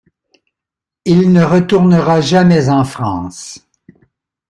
Il ne retournera jamais en France.